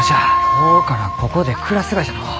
今日からここで暮らすがじゃのう。